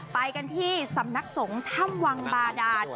ไปกันที่สำนักสงฆ์ถ้ำวังบาดาน